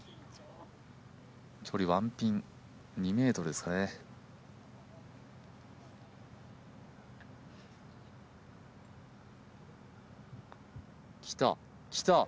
距離ワンピン２ｍですかねきたきた！